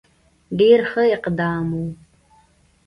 ډېر ښه اقدام وو.